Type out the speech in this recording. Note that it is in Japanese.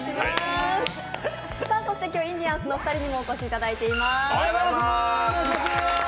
今日、インディアンスのお二人にもお越しいただいています。